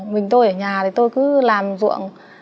mình tôi ở nhà thì tôi cứ làm ruộng